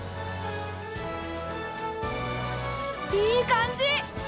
いい感じ！